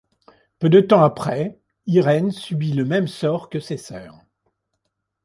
Peu de temps après, Irène subit le même sort que ses sœurs.